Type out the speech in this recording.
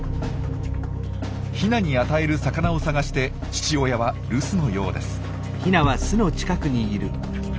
ヒナに与える魚を探して父親は留守のようです。